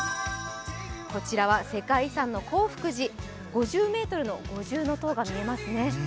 こちらは世界遺産の興福寺、５０ｍの五重塔が見えます